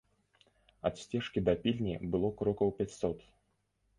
Ад сцежкі да пільні было крокаў пяцьсот.